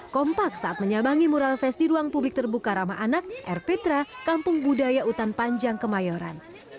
kompak saat menyabangi mural fest di ruang publik terbuka ramah anak rptra kampung budaya utan panjang kemayoran